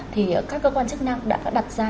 thì các cơ quan chức năng đã đặt ra